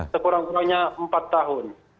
sekurang kurangnya empat tahun